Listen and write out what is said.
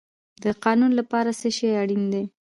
د قانون لپاره څه شی اړین دی؟